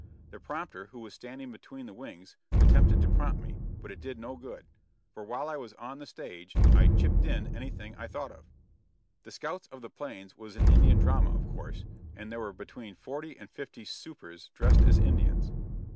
The prompter, who was standing between the wings, attempted to prompt me, but it did no good; for while I was on the stage I "chipped in" anything I thought of. "The Scouts of the Plains" was an Indian drama, of course; and there were between forty and fifty "supers" dressed as Indians.